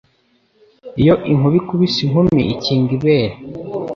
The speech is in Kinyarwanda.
Iyo inkuba ikubise inkumi ikinga ibere